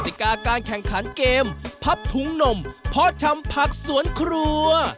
ติกาการแข่งขันเกมพับถุงนมเพาะชำผักสวนครัว